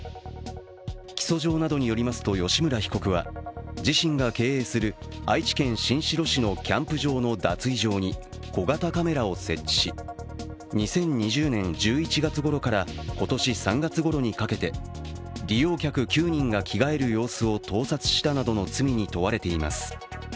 起訴状などによりますと吉村被告は自身が経営する愛知県新城市のキャンプ場の脱衣場に小型カメラを設置し２０２０年１１月ごろから今年３月ごろにかけて利用客９人が着替える様子を盗撮したなどの罪に問われています。